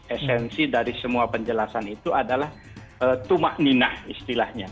esensi dari semua penjelasan itu adalah tumak nina istilahnya